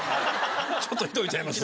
ちょっとひどいんちゃいます？